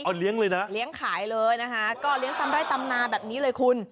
เอาเลี้ยงเลยนะเลี้ยงขายเลยนะคะก็เลี้ยงตำไร่ตำนาแบบนี้เลยคุณ